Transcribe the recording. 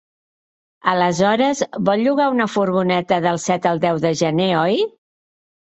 Aleshores vol llogar una furgoneta del set al deu de gener, oi?